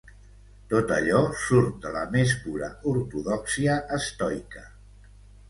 Tot allò surt de la més pura ortodòxia estoica.